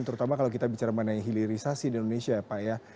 terutama kalau kita bicara mengenai hilirisasi di indonesia ya pak ya